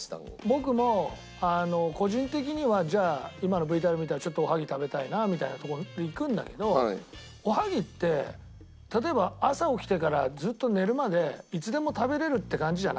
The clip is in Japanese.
僕も個人的にはじゃあ今のＶＴＲ見たらちょっとおはぎ食べたいなみたいなところにいくんだけどおはぎって例えば朝起きてからずっと寝るまでいつでも食べられるって感じじゃないんですよ。